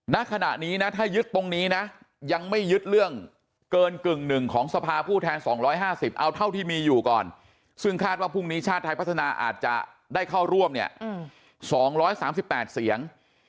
ณขณะนี้นะถ้ายึดตรงนี้นะยังไม่ยึดเรื่องเกินกึ่งหนึ่งของสภาผู้แทน๒๕๐เอาเท่าที่มีอยู่ก่อนซึ่งคาดว่าพรุ่งนี้ชาติไทยพัฒนาอาจจะได้เข้าร่วมเนี่ย๒๓๘เสียง